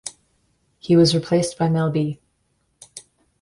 He was replaced by Mel B.